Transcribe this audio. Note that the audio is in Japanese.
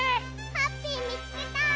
ハッピーみつけた！